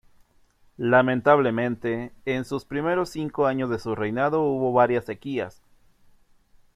Lamentablemente, en sus primeros cinco años de su reinado hubo varias sequías.